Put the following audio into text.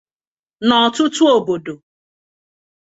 N’ọtụtụ obodo